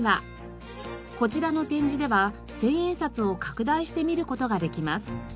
こちらの展示では千円札を拡大して見る事ができます。